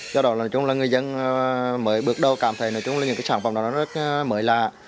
do đó là người dân mới bước đầu cảm thấy những sản phẩm đó rất mới lạ